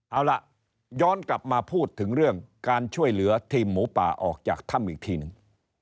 เอาล่ะย้อนกลับมาพูดถึงเรื่องการช่วยเหลือทีมหมูป่าออกจากถ้ำอีกทีหนึ่ง